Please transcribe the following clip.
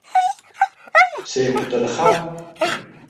Сеиқәдырхап.